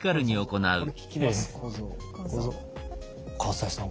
西さん